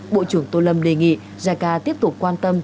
bộ trưởng tô lâm đề nghị jica tiếp tục quan tâm